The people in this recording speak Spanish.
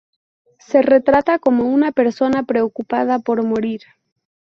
Se retrata como una persona preocupada por morir.